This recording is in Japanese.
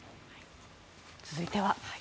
続いては。